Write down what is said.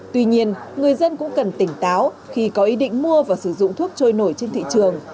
tuy nhiên người dân cũng cần tỉnh táo khi có ý định mua và sử dụng thuốc trôi nổi trên thị trường